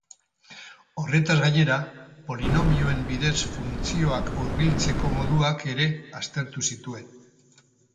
Horretaz gainera, polinomioen bidez funtzioak hurbiltzeko moduak ere aztertu zituen.